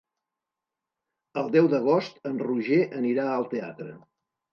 El deu d'agost en Roger anirà al teatre.